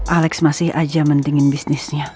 alex masih aja mendingin bisnisnya